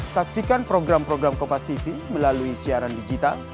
saksikan program program kopastv melalui siaran digital